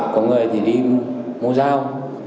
có người thì đi mua dao